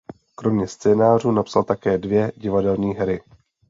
Kromě scénářů napsal také dvě divadelní hry.